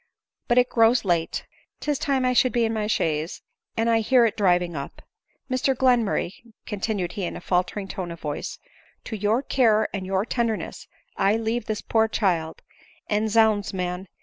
But it grows late — 'tis time I should be in my chaise, and I hear it driving up. Mr Glenmurray," continued he in a faltering tone of voice, " to your care and your tenderness I leave this poor child ; and, zounds, man